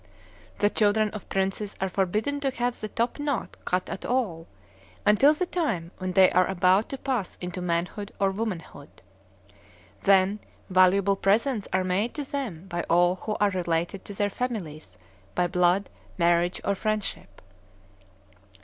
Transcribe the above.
The children of princes are forbidden to have the top knot cut at all, until the time when they are about to pass into manhood or womanhood. Then valuable presents are made to them by all who are related to their families by blood, marriage, or friendship.